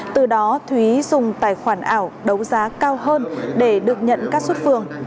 từ đó thúy dùng tài khoản ảo đấu giá cao hơn để được nhận các xuất phường